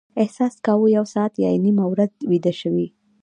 احساس کاوه یو ساعت یا نیمه ورځ ویده شوي.